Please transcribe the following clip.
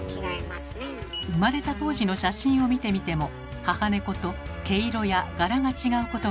生まれた当時の写真を見てみても母猫と毛色や柄が違うことは一目瞭然。